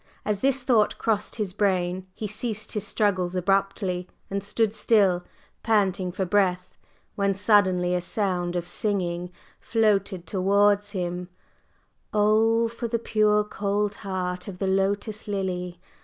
As this thought crossed his brain, he ceased his struggles abruptly, and stood still, panting for breath, when suddenly a sound of singing floated towards him: "Oh, for the pure cold heart of the Lotus Lily!